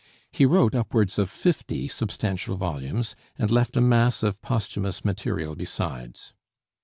He wrote upwards of fifty substantial volumes, and left a mass of posthumous material besides.